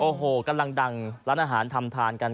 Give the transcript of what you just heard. โอ้โหกำลังดังร้านอาหารทำทานกัน